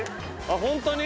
ホントに？